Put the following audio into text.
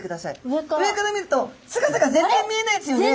上から見ると姿が全然見えないですよね。